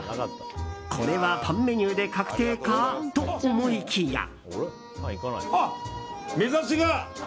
これはパンメニューで確定かと思いきや。